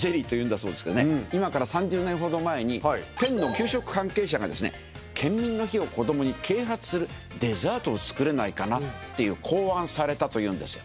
今から３０年ほど前に県の給食関係者がですね県民の日を子供に啓発するデザートを作れないかなっていう考案されたというんですよ。